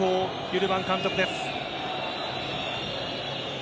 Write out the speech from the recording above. ユルマン監督です。